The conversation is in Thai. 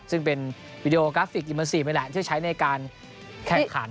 ซึ่งเป็นวีดีโอกราฟิกอิเมอร์ซีฟนี่แหละที่ใช้ในการแข่งขัน